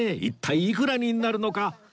一体いくらになるのか！？